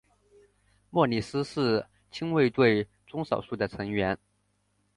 莫里斯是亲卫队中少数的成员。